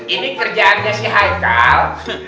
ini kerjaannya si haikal